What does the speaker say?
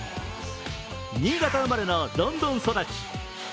新潟生まれのロンドン育ち。